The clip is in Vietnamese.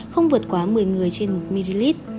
không vượt quá một mươi người trên một ml